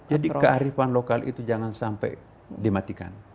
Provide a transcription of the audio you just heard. jadi kearifan lokal itu jangan sampai dimatikan